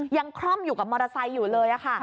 ยังคร่อมอยู่กับมรสไซส์อยู่เลย